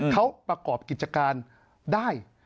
เขาประกอบกิจการได้